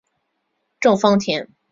郑芳田。